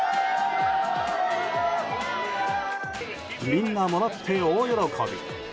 みんな、もらって大喜び。